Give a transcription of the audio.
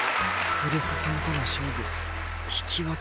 来栖さんとの勝負引き分けか。